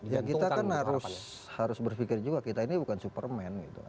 ya kita kan harus berpikir juga kita ini bukan superman gitu